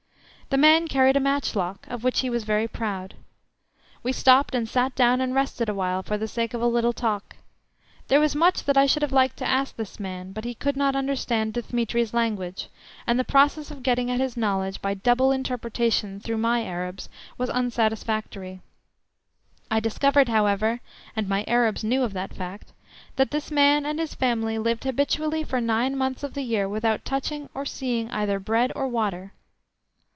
The man carried a matchlock, of which he was very proud. We stopped and sat down and rested awhile for the sake of a little talk. There was much that I should have liked to ask this man, but he could not understand Dthemetri's language, and the process of getting at his knowledge by double interpretation through my Arabs was unsatisfactory. I discovered, however (and my Arabs knew of that fact), that this man and his family lived habitually for nine months of the year without touching or seeing either bread or water.